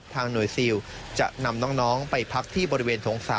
หน่วยซิลจะนำน้องไปพักที่บริเวณโถง๓